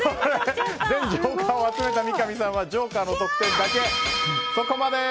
ジョーカーを全部取った三上さんはジョーカーの得点だけ。